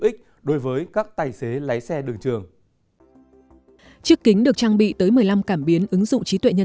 ích đối với các tài xế lái xe đường trường chiếc kính được trang bị tới một mươi năm cảm biến ứng dụng trí